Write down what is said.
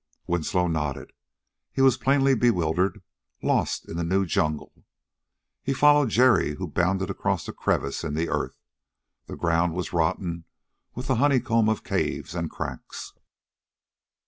Winslow nodded. He was plainly bewildered, lost in the new jungle. He followed Jerry, who bounded across a crevice in the earth. The ground was rotten with the honeycomb of caves and cracks.